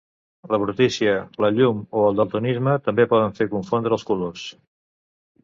La brutícia, la llum o el daltonisme també poden fer confondre els colors.